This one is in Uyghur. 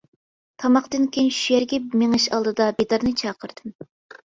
تاماقتىن كېيىن شۇ يەرگە مېڭىش ئالدىدا بىدارنى چاقىردىم.